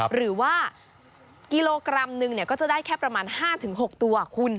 หรือว่ากิโลกรัมหนึ่งก็จะได้แค่ประมาณ๕๖ตัวคุณ